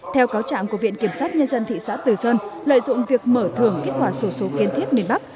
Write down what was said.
theo cáo trạng của viện kiểm sát nhân dân thị xã từ sơn lợi dụng việc mở thường kết quả sổ số kiên thiết miền bắc